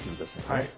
はい。